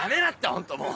ホントもう。